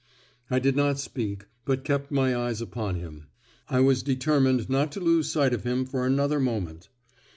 I did not speak, but kept my eyes upon him. I was determined not to lose sight of him for another moment.